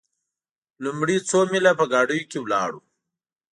لومړي څو میله په ګاډیو کې ولاړو.